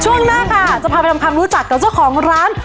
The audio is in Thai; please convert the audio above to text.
ช่วงหน้าค่ะจะพาไปทำความรู้จักกับเจ้าของร้าน